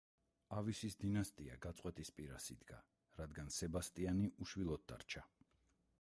ავისის დინასტია გაწყვეტის პირას იდგა, რადგან სებასტიანი უშვილოდ დარჩა.